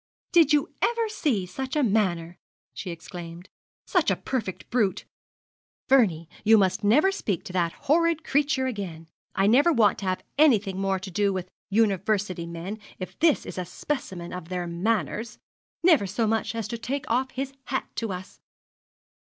'Did you ever see such manner?' she exclaimed; 'such a perfect brute? Vernie, you must never speak to that horrid creature again. I never want to have anything more to do with University men if this is a specimen of their manners! Never so much as to take off his hat to us!'